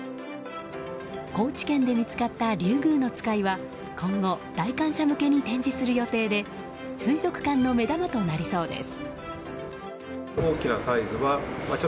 高知県で見つかったリュウグウノツカイは今後、来館者向けに展示する予定で水族館の目玉となりそうです。